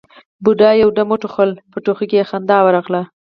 بوډا يو دم وټوخل، په ټوخي کې خندا ورغله: